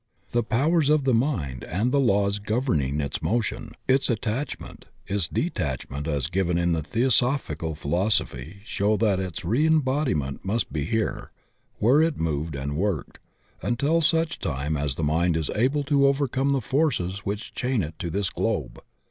The powers of mind and the laws governing its motion, its attach ment, and its detachment as given in theosophical phi losophy show that its reembodiment must be here, where it moved and worked, imtil such time as the mind is able to overcome the forces which chain it to this globe.